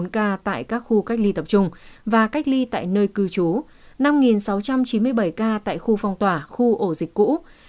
hai mươi tám sáu trăm bốn mươi bốn ca tại các khu cách ly tập trung và cách ly tại nơi cư trú năm sáu trăm chín mươi bảy ca tại khu phong tỏa khu ổ dịch cũ